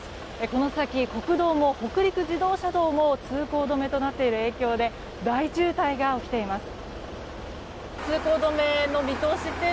この先、国道も北陸自動車道も通行止めとなっている影響で大渋滞が起きています。